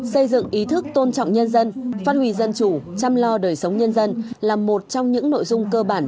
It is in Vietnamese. xây dựng ý thức tôn trọng nhân dân phát huy dân chủ chăm lo đời sống nhân dân là một trong những nội dung cơ bản